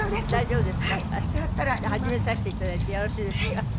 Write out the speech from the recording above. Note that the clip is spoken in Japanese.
じゃあ始めさせて頂いてよろしいですか？